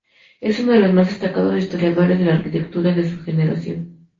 Es uno de los más destacados historiadores de la arquitectura de su generación.